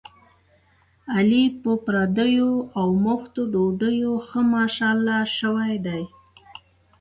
علي په پردیو اومفتو ډوډیو ښه ماشاءالله شوی دی.